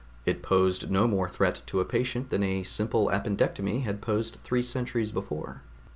It posed no more threat to a patient than a simple appendectomy had posed three centuries before.